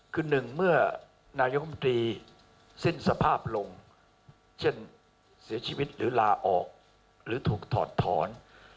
คือหนึ่งเมื่อนายกรรมตรีสิ้นสภาพลงเช่นเสียชีวิตหรือลาออกหรือถูกถอดถอน